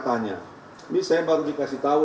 tanya ini saya baru dikasih tahu